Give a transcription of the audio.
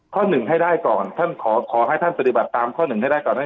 หนึ่งให้ได้ก่อนท่านขอให้ท่านปฏิบัติตามข้อหนึ่งให้ได้ก่อนนะ